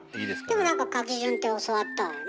でも何か書き順って教わったわよねえ？